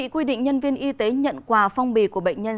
quy định nhân viên y tế nhận quà phong bì của bệnh nhân